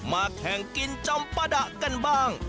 แข่งกินจำปะดะกันบ้าง